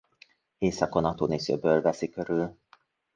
Északon a Tuniszi-öböl veszi körül.